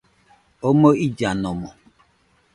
Omoɨ illanomo